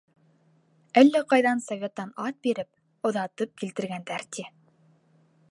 Әллә ҡайҙан советтан ат биреп оҙатып килтергәндәр, ти.